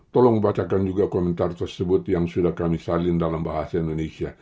tolong bacakan juga komentar tersebut yang sudah kami salin dalam bahasa indonesia